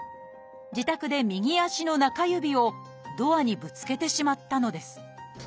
自宅で右足の中指をドアにぶつけてしまったのです。